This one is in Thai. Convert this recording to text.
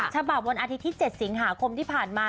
ฉบับวันอาทิตย์ที่๗สิงหาคมที่ผ่านมา